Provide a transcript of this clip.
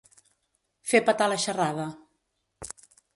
Fer petar la xerrada.